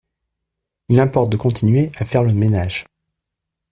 Il importe de continuer à faire le ménage.